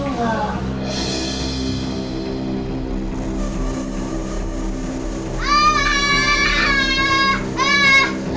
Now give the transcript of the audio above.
tenang tenang gak ada apa apa kok